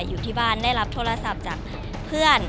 อยู่ที่บ้านได้รับโทรศัพท์จากเพื่อน